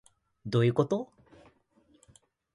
どういうこと